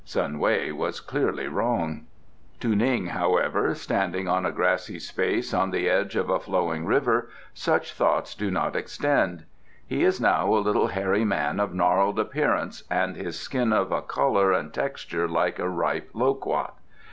Sun Wei was clearly wrong. To Ning, however, standing on a grassy space on the edge of a flowing river, such thoughts do not extend. He is now a little hairy man of gnarled appearance, and his skin of a colour and texture like a ripe lo quat.